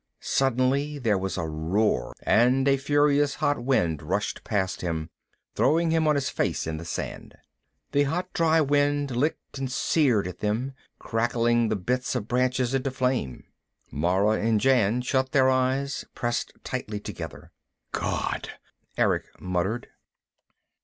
Suddenly there was a roar, and a furious hot wind rushed past him, throwing him on his face in the sand. The hot dry wind licked and seared at them, crackling the bits of branches into flame. Mara and Jan shut their eyes, pressed tightly together. "God " Erick muttered.